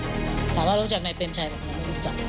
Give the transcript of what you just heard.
ถามว่าเรารู้จักนายเป็มชัยบอกว่าเรารู้จัก